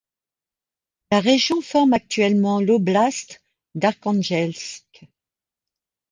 La région forme actuellement l'oblast d'Arkhangelsk.